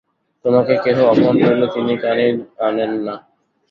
তােমাকে কেহ অপমান করিলে তিনি কানেই আনেন না।